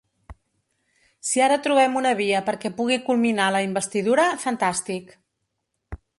Si ara trobem una via perquè pugui culminar la investidura, fantàstic.